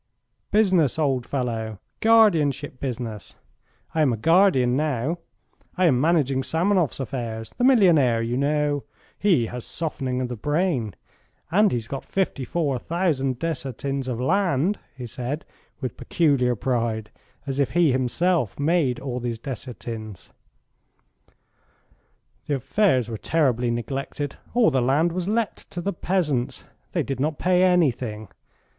"Business, old fellow. Guardianship business. I am a guardian now. I am managing Samanoff's affairs the millionaire, you know. He has softening of the brain, and he's got fifty four thousand desiatins of land," he said, with peculiar pride, as if he had himself made all these desiatins. "The affairs were terribly neglected. All the land was let to the peasants. They did not pay anything.